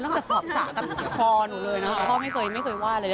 นี่มันต้องก็ต้องรับศาลกับตัวหนูเลยนะไม่เคยว่าเลย